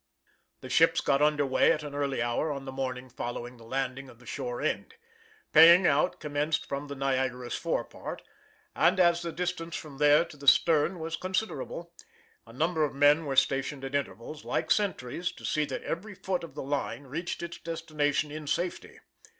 The ships got under weigh at an early hour on the morning following the landing of the shore end. Paying out commenced from the Niagara's forepart; and as the distance from there to the stern was considerable, a number of men were stationed at intervals, like sentries, to see that every foot of the line reached its destination in safety.